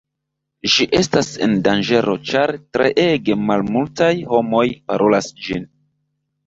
Ĝi estas en danĝero ĉar treege malmultaj homoj parolas ĝin.